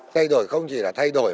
thay đổi không chỉ là thay đổi